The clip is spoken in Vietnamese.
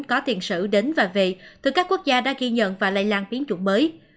có tiền sử đến và về từ các quốc gia đã ghi nhận và lây lan biến chủng mới